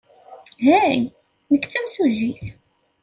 Hey, nekk d timsujjit.